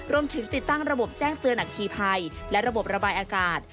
ร่วมถึงติดตั้งระบบแจ้งเตือนอักฐีไพรและระบบระบายอากาศ